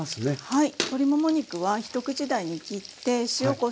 はい。